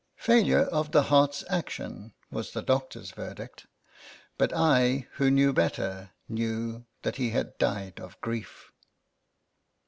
" Failure of the heart's action," was the doctor's verdict ; but I, who knew better, knew that he had died of grief.